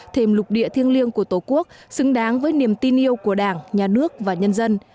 thêm lục địa thiêng liêng của tổ quốc xứng đáng với niềm tin yêu của đảng nhà nước và nhân dân